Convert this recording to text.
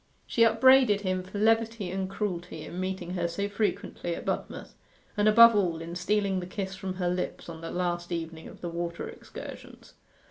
She upbraided him for levity and cruelty in meeting her so frequently at Budmouth, and above all in stealing the kiss from her lips on the last evening of the water excursions.